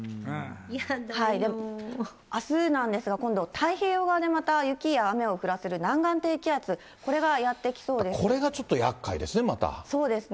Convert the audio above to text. あすなんですが、今度、太平洋側でまた雪や雨を降らせる南岸低気圧、これがやって来そうこれがちょっとやっかいですそうですね。